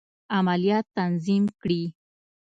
عملیات تنظیم کړي.